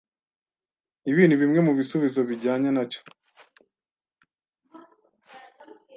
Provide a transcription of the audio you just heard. Ibi ni bimwe mu bisubizo bijyanye nacyo